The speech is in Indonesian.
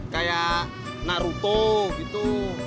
kayak naruto gitu